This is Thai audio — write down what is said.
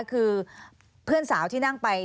คือเพื่อนสาวที่นั่งไป